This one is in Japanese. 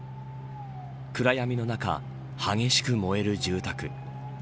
暗闇の中、激しく燃える住宅。